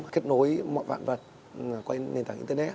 kết nối mọi vạn vật qua nền tảng internet